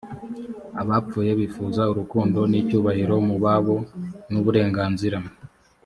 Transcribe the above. abapfuye bifuza urukundo n icyubahiro mu babo n uburenganzira